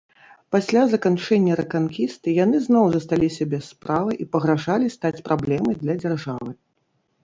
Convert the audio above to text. Пасля заканчэння рэканкісты яны зноў засталіся без справы і пагражалі стаць праблемай для дзяржавы.